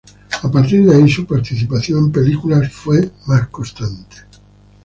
A partir de ahí su participación en películas fue más constante.